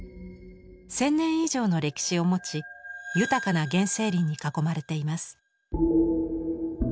１，０００年以上の歴史を持ち豊かな原生林に囲まれています。